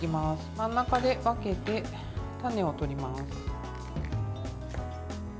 真ん中で分けて種を取ります。